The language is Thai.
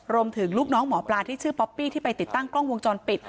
ลูกน้องหมอปลาที่ชื่อป๊อปปี้ที่ไปติดตั้งกล้องวงจรปิด